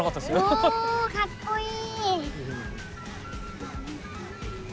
おおかっこいい！